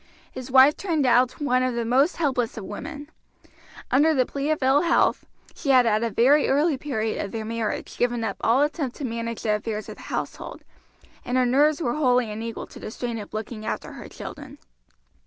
His wife turned out one of the most helpless of women. Under the plea of ill health she had at a very early period of their marriage given up all attempt to manage the affairs of the household, and her nerves were wholly unequal to the strain of looking after her children.